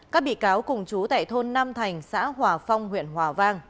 các bị cáo cùng chú tại thôn nam thành xã hòa phong huyện hòa vang